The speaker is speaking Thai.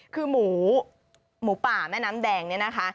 คือหมูหมูป่าแม่น้ำแดงเนี่ยนะคะ